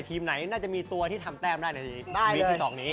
ทีมไหนน่าจะมีตัวที่ทำแต้มได้ในยกที่๒นี้